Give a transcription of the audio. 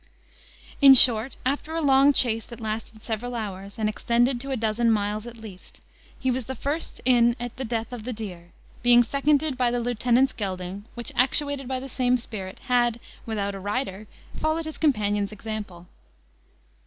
In short, after a long chase that lasted several hours, and extended to a dozen miles at least, he was the first in at the death of the deer, being seconded by the lieutenant's gelding, which, actuated by the same spirit, had, without a rider, followed his companion's example.